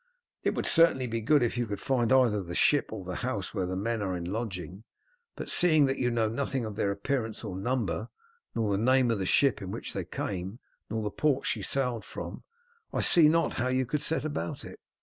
"It would certainly be good if you could find either the ship or the house where the men are in lodging, but seeing that you know nothing of their appearance or number, nor the name of the ship in which they came nor the port she sailed from, I see not how you could set about it."